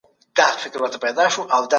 د اوبو څښل د ستړیا مخه نیسي.